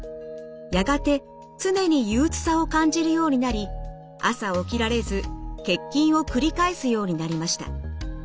やがて常に憂うつさを感じるようになり朝起きられず欠勤を繰り返すようになりました。